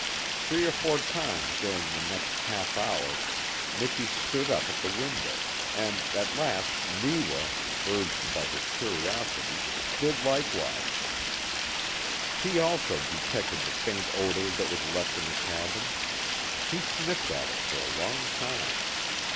Three or four times during the next half hour Miki stood up at the window, and at last Neewa urged by his curiosity did likewise. He also detected the faint odour that was left in the cabin. He sniffed at it for a long time.